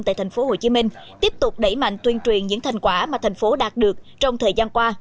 tại tp hcm tiếp tục đẩy mạnh tuyên truyền những thành quả mà thành phố đạt được trong thời gian qua